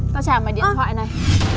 tao trả mày điện thoại này